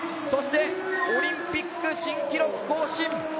そして、オリンピック新記録更新。